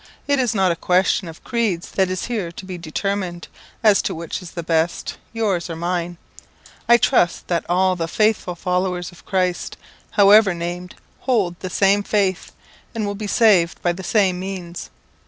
It is not a question of creeds that is here to be determined, as to which is the best yours or mine. I trust that all the faithful followers of Christ, however named, hold the same faith, and will be saved by the same means.